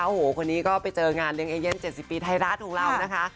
โอ้โหคนนี้ก็ไปเจองานเลี้ยงเอเย่น๗๐ปีไทยรัฐของเรานะคะ